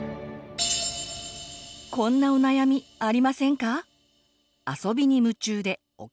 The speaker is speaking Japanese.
こんなお悩みありませんか？